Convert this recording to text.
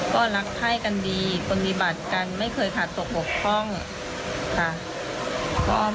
ก็รักภัยกันดีปฏิบัติกันไม่เคยขาดตกหลบคล่อง